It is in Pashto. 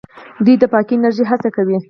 دوی د پاکې انرژۍ هڅه کوي.